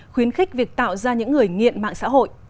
khuyến khích việc tạo ra những người nghiện mạng xã hội